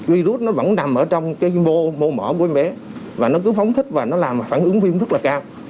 virus nó vẫn nằm ở trong cái mô mỏ của bé và nó cứ phóng thích và nó làm phản ứng viêm rất là cao